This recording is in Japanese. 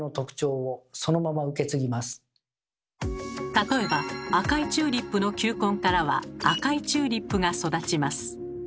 例えば赤いチューリップの球根からは赤いチューリップが育ちます。